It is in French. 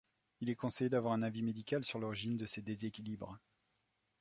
Il est conseillé d'avoir un avis médical sur l'origine de ces déséquilibres.